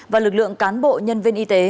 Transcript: và lực lượng cán bộ nhân viên y tế